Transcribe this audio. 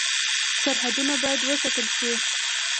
سرحدونه باید وساتل شي